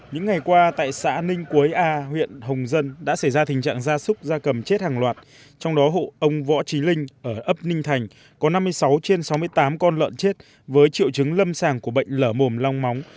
những ngày qua tại xã ninh quế a huyện hồng dân đã xảy ra tình trạng gia súc gia cầm chết hàng loạt trong đó hộ ông võ trí linh ở ấp ninh thành có năm mươi sáu trên sáu mươi tám con lợn chết với triệu chứng lâm sàng của bệnh lở mồm long móng